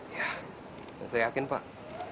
ya saya yakin pak